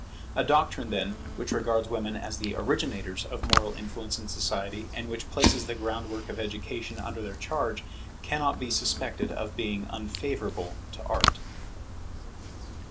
A doctrine, then, which regards women as the originators of moral influence in society, and which places the groundwork of education under their charge, cannot be suspected of being unfavourable to Art.